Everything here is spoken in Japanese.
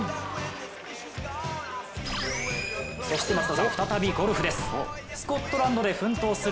そして松田さん、再びゴルフです。